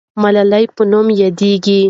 ملاله په نوم یادېږي.